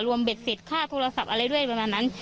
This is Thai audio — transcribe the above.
เบ็ดเสร็จค่าโทรศัพท์อะไรด้วยประมาณนั้น